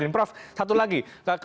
prof satu lagi